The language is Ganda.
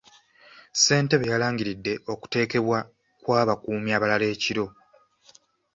Ssentebe yalangiridde okuteekebwa kw'abakuumi abalala ekiro.